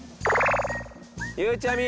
ゆうちゃみ！